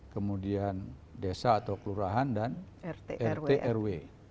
kemudian desa atau kelurahan dan rtrw